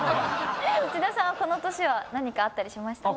土田さんはこの年は何かあったりしましたか？